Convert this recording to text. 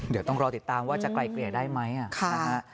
เดี๋ยวต้องรอติดตามว่าจะไกลเกลี่ยได้ไหมนะฮะ